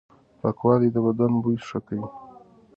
پاکوالي د بدن بوی ښه کوي.